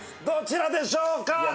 どちらでしょうか！